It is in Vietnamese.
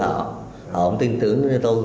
họ không tin tưởng cho tôi